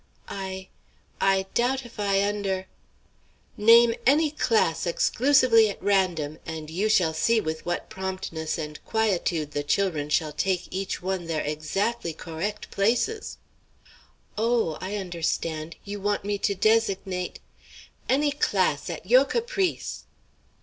"I I doubt if I under" "Name any class, exclusively at random, and you shall see with what promptness and quietude the chil'run shall take each one their exactly co'ect places." "Oh, I understand. You want me to designate" "Any class! at yo' caprice."